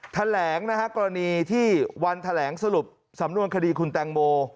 แถลงนะฮะกรณีที่วันแถลงสรุปสำนวนคดีคุณแตงโม